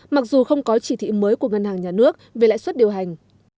mặc dù không có chỉ thị mới của ngân hàng nhà nước về lãi suất điều hành